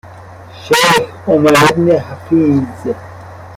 شیخ عمر بن حفیظ